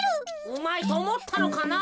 うまいとおもったのかな？